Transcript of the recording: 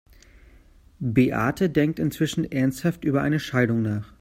Beate denkt inzwischen ernsthaft über eine Scheidung nach.